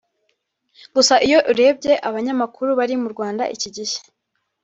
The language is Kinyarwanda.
Gusa iyo urebye abanyamakuru bari mu rwanda iki gihe